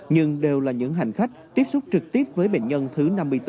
nhưng đều là những hành khách tiếp xúc trực tiếp với bệnh nhân thứ năm mươi bốn